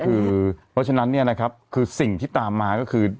เพราะฉะนั้นสิ่งที่ตามมาก็คือ